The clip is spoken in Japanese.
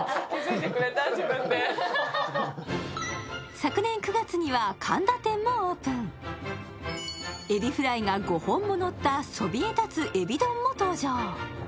昨年９月には神田店もオープンエビフライが５本ものったそびえ立つ海老丼も登場